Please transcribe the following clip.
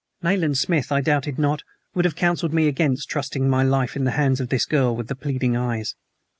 Nayland Smith, I doubted not, would have counseled me against trusting my life in the hands of this girl with the pleading eyes.